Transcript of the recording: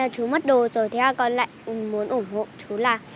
chú mất đồ rồi thế con lại muốn ủng hộ chú là